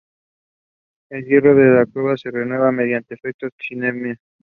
El hielo de la cueva se renueva mediante el efecto chimenea.